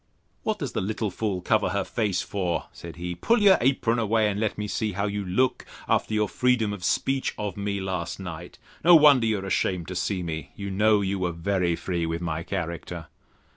What does the little fool cover her face for? said he: Pull your apron away; and let me see how you look, after your freedom of speech of me last night. No wonder you are ashamed to see me. You know you were very free with my character.